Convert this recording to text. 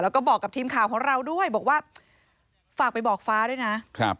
แล้วก็บอกกับทีมข่าวของเราด้วยบอกว่าฝากไปบอกฟ้าด้วยนะครับ